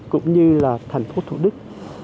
cũng như là thành phố thủ đức